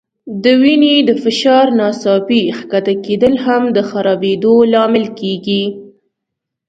د وینې د فشار ناڅاپي ښکته کېدل هم د خرابېدو لامل کېږي.